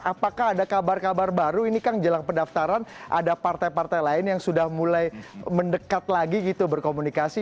apakah ada kabar kabar baru ini kang jelang pendaftaran ada partai partai lain yang sudah mulai mendekat lagi gitu berkomunikasi